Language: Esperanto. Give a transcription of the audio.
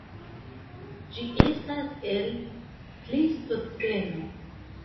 Ĝi estas el Plejstoceno.